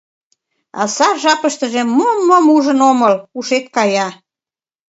А сар жапыштыже мом-мом ужын омыл, ушет кая.